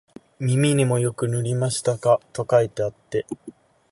耳にもよく塗りましたか、と書いてあって、